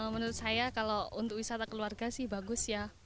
menurut saya kalau untuk wisata keluarga sih bagus ya